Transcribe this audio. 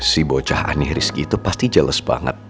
si bocah aneh rizky itu pasti jeles banget